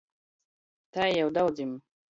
Tai jau daudzim.